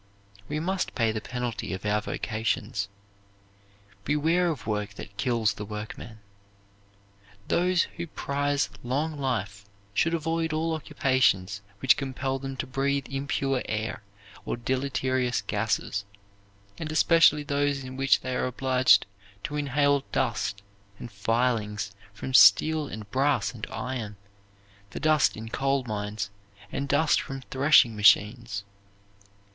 We must pay the penalty of our vocations. Beware of work that kills the workman. Those who prize long life should avoid all occupations which compel them to breathe impure air or deleterious gases, and especially those in which they are obliged to inhale dust and filings from steel and brass and iron, the dust in coal mines, and dust from threshing machines.